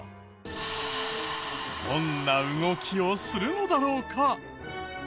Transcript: どんな動きをするのだろうか？